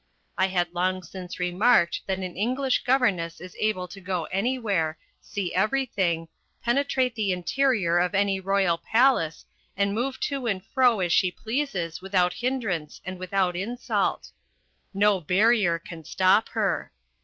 I had long since remarked that an English governess is able to go anywhere, see everything, penetrate the interior of any royal palace and move to and fro as she pleases without hindrance and without insult. No barrier can stop her.